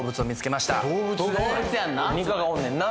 何かがおんねんな